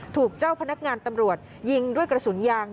ถูกเจ้าพนักงานตำรวจยิงด้วยกระสุนยาง